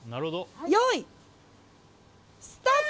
よーい、スタート！